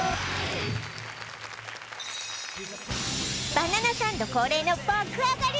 「バナナサンド」恒例の爆上がり